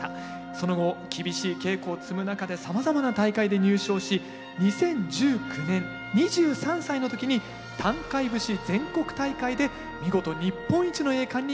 その後厳しい稽古を積む中でさまざまな大会で入賞し２０１９年２３歳の時に淡海節全国大会で見事日本一の栄冠に輝きました。